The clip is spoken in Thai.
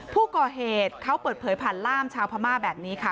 ผู้ก่อเหตุเขาเปิดเผยผ่านล่ามชาวพม่าแบบนี้ค่ะ